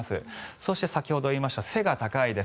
そして、先ほど言いました背が高いです。